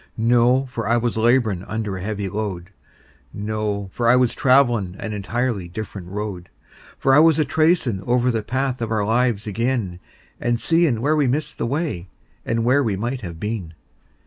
No for I was laborin' under a heavy load; No for I was travelin' an entirely different road; For I was a tracin' over the path of our lives ag'in, And seein' where we missed the way, and where we might have been.